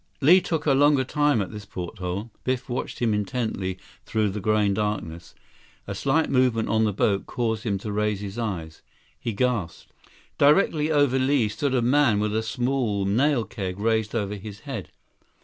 89 Li took a longer time at this porthole. Biff watched him intently through the growing darkness. A slight movement on the boat caused him to raise his eyes. He gasped. Directly over Li stood a man with a small nail keg raised over his head.